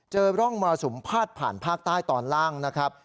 เจอร่องมรสุมพาดผ่านภาคใต้ตอนล่างนะครับ